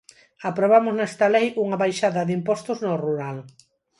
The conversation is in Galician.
Aprobamos nesta lei unha baixada de impostos no rural.